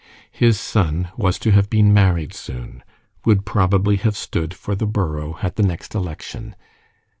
His son was to have been married soon would probably have stood for the borough at the next election.